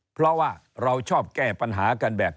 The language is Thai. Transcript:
เพราะว่าเราชอบแก้ปัญหากันแบบ